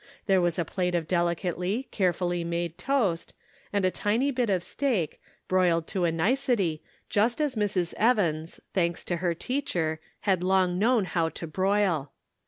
There was a plate of delicately, carefully made toast, and a tiny bit of steak, broiled to a nicety, just as Mrs. Evans, thanks to her teacher, had long known how to broil.